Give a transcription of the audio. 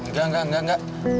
enggak enggak enggak